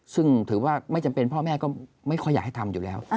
ซึ่งถือว่าไม่จำเป็นพ่อแม่ก็ไม่ค่อยอยากให้ทำอยู่แล้ว